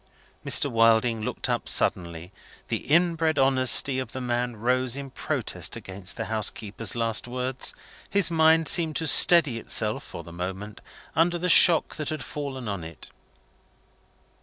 Mr. Wilding looked up suddenly. The inbred honesty of the man rose in protest against the housekeeper's last words. His mind seemed to steady itself, for the moment, under the shock that had fallen on it.